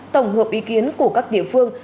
tổng hợp ý kiến của các địa phương